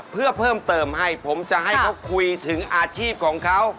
เพื่อเพิ่มเติมให้ผมจะให้เขาคุยถึงอาชีพของเขา